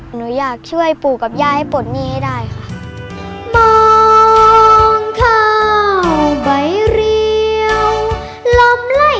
หนูอยากช่วยปู่กับย่าให้ปลดหนี้ให้ได้ค่ะ